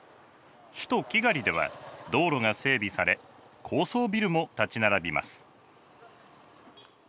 首都キガリでは道路が整備され高層ビルも建ち並びます。